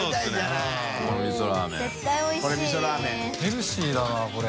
ヘルシーだなこれ。